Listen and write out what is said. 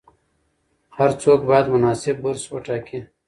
هر څوک باید مناسب برس وټاکي.